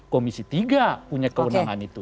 komisi tiga punya kewenangan itu